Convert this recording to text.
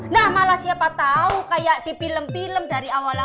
nah malah siapa tahu kayak di film film dari awal